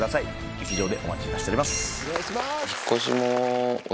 劇場でお待ちいたしております。